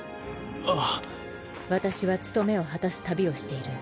ああ私は務めを果たす旅をしている。